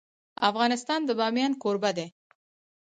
افغانستان د بامیان کوربه دی.